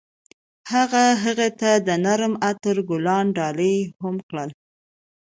هغه هغې ته د نرم عطر ګلان ډالۍ هم کړل.